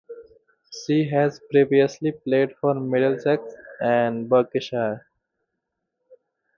She has previously played for Middlesex and Berkshire.